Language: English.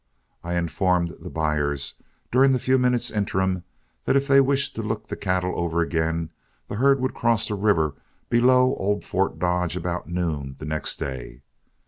I informed the buyers, during the few minutes' interim, that if they wished to look the cattle over again, the herd would cross the river below old Fort Dodge about noon the next day.